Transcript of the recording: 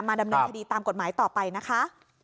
ดำเนินคดีตามกฎหมายต่อไปนะคะ